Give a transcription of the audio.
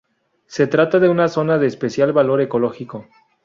Se trata de una zona de especial valor ecológico.